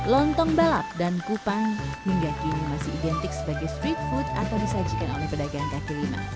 lontong balap dan kupang hingga kini masih identik sebagai street food atau disajikan oleh pedagang kaki lima